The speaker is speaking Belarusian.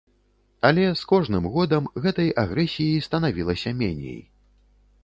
Але з кожным годам гэтай агрэсіі станавілася меней.